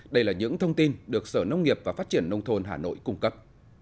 đây là những thông tin được sở nông nghiệp và phát triển nông thôn hà nội cung cấp